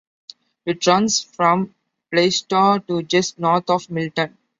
It runs from Plaistow to just north of Milton.